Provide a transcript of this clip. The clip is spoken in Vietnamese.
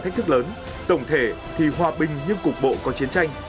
thách thức lớn tổng thể thì hòa bình nhưng cục bộ có chiến tranh